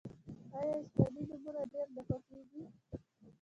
آیا اسلامي نومونه ډیر نه خوښیږي؟